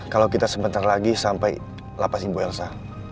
kalau kita sebentar lagi sampai lapasin bu elsa